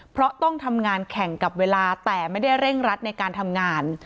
เพราะต้องทำงานแข่งกับเวลาแต่ไม่ได้เร่งรัดในการทำงาน